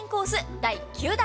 第９弾。